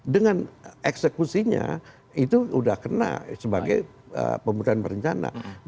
dengan eksekusinya itu sudah kena sebagai pembukaan perencanaan